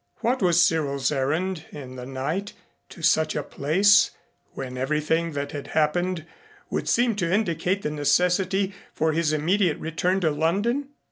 What was Cyril's errand in the night to such a place when everything that had happened would seem to indicate the necessity for his immediate return to London?